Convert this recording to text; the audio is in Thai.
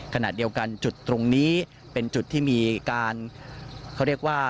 ขณะเดียวกันจุดตรงนี้เป็นจุดที่มีการเขาเรียกว่า